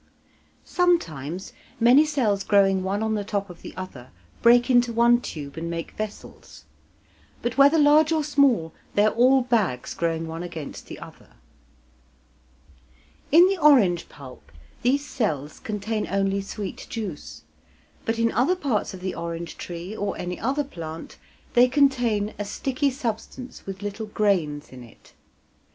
Sometimes many cells growing one on the top of the other break into one tube and make vessels. But whether large or small, they are all bags growing one against the other. In the orange pulp these cells contain only sweet juice, but in other parts of the orange tree or any other plant they contain a sticky substance with little grains in it.